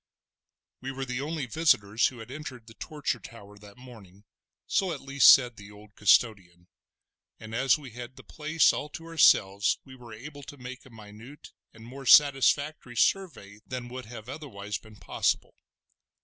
We were the only visitors who had entered the Torture Tower that morning—so at least said the old custodian—and as we had the place all to ourselves were able to make a minute and more satisfactory survey than would have otherwise been possible.